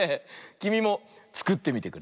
きみもつくってみてくれ！